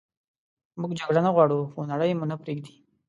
موږ جګړه نه غواړو خو نړئ مو نه پریږدي